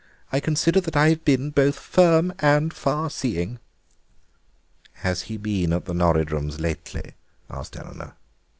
I consider that I've been both firm and farseeing." "Has he been at the Norridrums lately?" asked Eleanor.